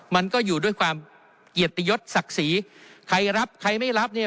มันก็อยู่ด้วยความเกียรติยศศักดิ์ศรีใครรับใครไม่รับเนี่ย